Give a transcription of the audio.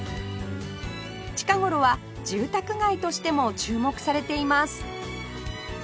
近頃は住宅街としても注目されています